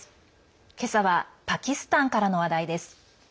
今朝はパキスタンからの話題です。